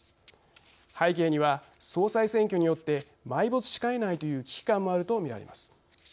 背景には、総裁選挙によって埋没しかねないという危機感もあるとみられます。